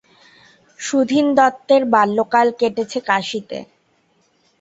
সুধীন দত্তের বাল্যকাল কেটেছে কাশীতে।